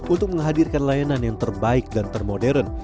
untuk menghadirkan layanan yang terbaik dan termodern